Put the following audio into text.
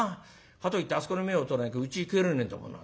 かといってあそこの前を通らなきゃうち帰れねえんだもんな。